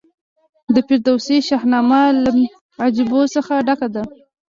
د فردوسي شاهنامه له عجایبو څخه ډکه ده.